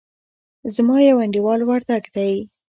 زما يو انډيوال وردګ دئ.